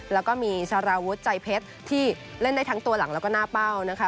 แล้วก็มีสารวุฒิใจเพชรที่เล่นได้ทั้งตัวหลังแล้วก็หน้าเป้านะคะ